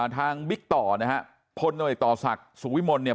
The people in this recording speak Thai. บิ๊กต่อนะฮะพลโนเอกต่อศักดิ์สุขวิมลเนี่ย